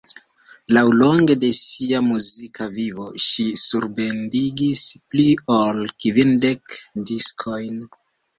Laŭlonge de sia muzika vivo ŝi surbendigis pli ol kvindek diskojn.